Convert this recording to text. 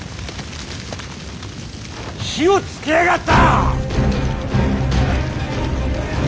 火をつけやがった！